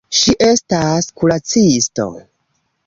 Ŝi estas kuracisto.